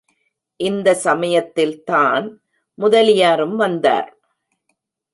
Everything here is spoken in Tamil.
இந்தச் சமயத்தில்தான் முதலியாரும் வந்தார்.